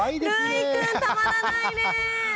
るいくんたまらないね。